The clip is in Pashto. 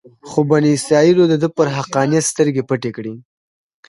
خو بني اسرایلو دده پر حقانیت سترګې پټې کړې.